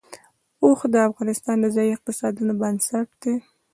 اوښ د افغانستان د ځایي اقتصادونو بنسټ دی.